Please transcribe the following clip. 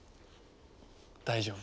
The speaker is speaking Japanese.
大丈夫。